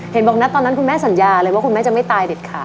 เห็นบอกนะตอนนั้นคุณแม่สัญญาเลยว่าคุณแม่จะไม่ตายเด็ดขาด